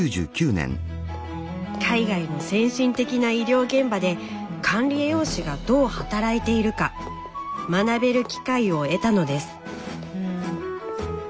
海外の先進的な医療現場で管理栄養士がどう働いているか学べる機会を得たのです。